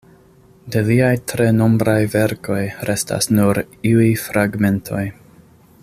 De liaj tre nombraj verkoj restas nur iuj fragmentoj.